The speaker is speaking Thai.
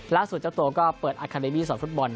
ล่าสุดเจ้าตัวก็เปิดอาคาเดมีสอดฟุตบอล